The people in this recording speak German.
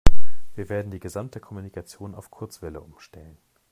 Wir werden die gesamte Kommunikation auf Kurzwelle umstellen.